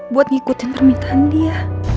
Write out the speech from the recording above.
buat ngikutin permintaan dia